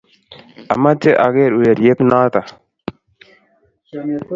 Ameche ageer ureriet noto